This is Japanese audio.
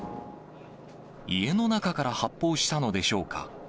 家の中から発砲したのでしょうか。